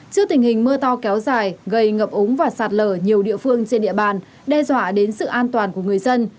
trước tình hình mưa to kéo dài gây ngập úng và sạt lở nhiều địa phương trên địa bàn đe dọa đến sự an toàn của người dân